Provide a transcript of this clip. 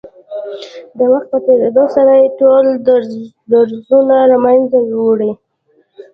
د وخت په تېرېدو سره يې ټول درځونه له منځه وړي.